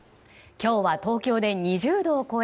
今日は東京で２０度を超え